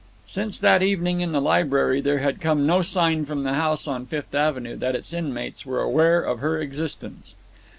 Since that evening in the library there had come no sign from the house on Fifth Avenue that its inmates were aware of her existence.